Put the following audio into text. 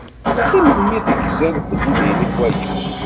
Si melmi i tegziḍ belli dirit waya?